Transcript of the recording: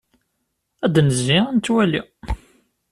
Ad d-nezzi, ad nettwali.